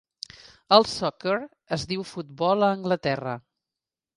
El "soccer" es diu futbol a Anglaterra.